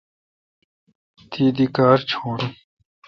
تی دی کار چیون۔